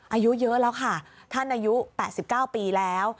อายุเยอะแล้วค่ะท่านอายุ๘๙ปีแล้ว